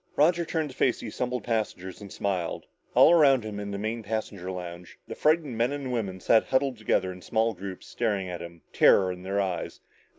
Roger turned to face the assembled passengers and smiled. All around him in the main passenger lounge, the frightened men and women sat huddled together in small groups, staring at him, terror in their eyes.